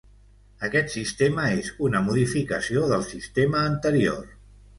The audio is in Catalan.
Aquest sistema és una modificació del sistema anterior.